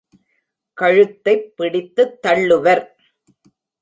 கழுத்தைப் பிடித்துத் தள்ளுவர்.